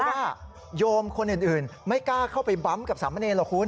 เพราะว่าโยมคนอื่นไม่กล้าเข้าไปบัมต์กับสามเมอร์เนบเหรอคุณ